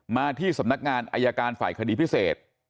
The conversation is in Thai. มาที่สำนักงานอายการฝ่ายคดีพิเศษ